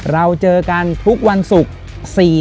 เราเจอกันทุกวันศุกร์